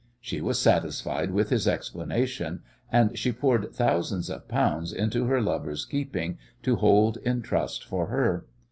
She was satisfied with his explanation, and she poured thousands of pounds into her "lover's" keeping to hold in trust for her.